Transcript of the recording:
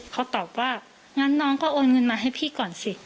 เขาตอบว่างั้นน้องก็โอนเงินมาให้พี่ก่อนสิ